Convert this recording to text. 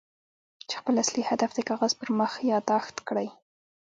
چې خپل اصلي هدف د کاغذ پر مخ ياداښت کړئ.